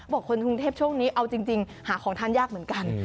คนกรุงเทพช่วงนี้เอาจริงหาของทานยากเหมือนกัน